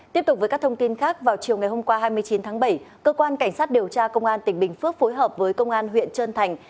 tiếp tục với các thông tin khác vào chiều ngày hôm qua hai mươi chín tháng bảy cơ quan cảnh sát điều tra công an tỉnh bình phước phối hợp với công an huyện trơn thành